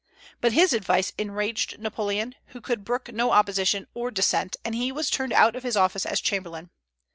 But his advice enraged Napoleon, who could brook no opposition or dissent, and he was turned out of his office as chamberlain.